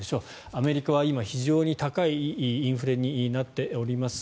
アメリカは今、非常に高いインフレになっております。